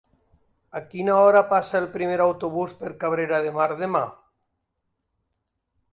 A quina hora passa el primer autobús per Cabrera de Mar demà?